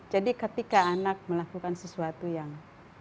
jadi ketika anak melakukan sesuatu yang